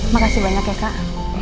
makasih banyak ya kak